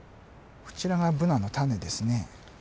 こちらがブナの種ですね。